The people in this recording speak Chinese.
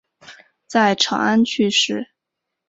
在长安去世。